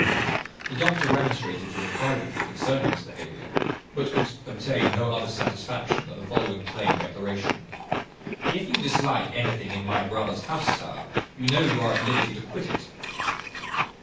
The doctor remonstrated to him privately concerning this behaviour, but could obtain no other satisfaction than the following plain declaration: "If you dislike anything in my brother's house, sir, you know you are at liberty to quit it."